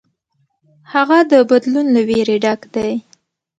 هغه د بدلون له ویرې ډک دی.